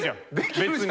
別に。